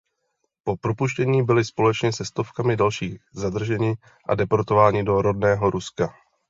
Po propuštění byli společně se stovkami dalších zadrženi a deportováni do rodného Ruska.